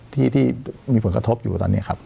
ที่มีผลกระทบอยู่ตอนนี้ครับ